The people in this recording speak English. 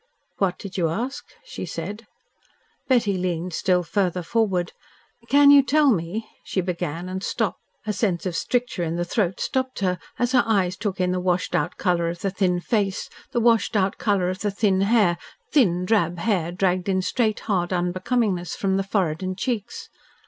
"What did you ask?" she said. Betty leaned still further forward. "Can you tell me " she began and stopped. A sense of stricture in the throat stopped her, as her eyes took in the washed out colour of the thin face, the washed out colour of the thin hair thin drab hair, dragged in straight, hard unbecomingness from the forehead and cheeks.